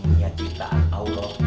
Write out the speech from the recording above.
menikmati dunia cinta allah